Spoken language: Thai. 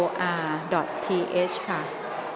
สบายที่ได้ข้อมูล